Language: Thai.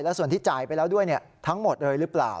ส่วนที่จ่ายไปแล้วด้วยทั้งหมดเลยหรือเปล่า